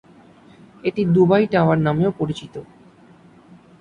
এটি "Dubai tower" নামেও পরিচিত।